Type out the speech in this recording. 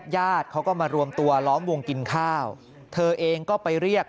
ญาติเขาก็มารวมตัวล้อมวงกินข้าวเธอเองก็ไปเรียก